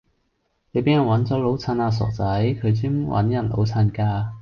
你俾人搵咗老襯啦傻仔，佢專搵人老襯㗎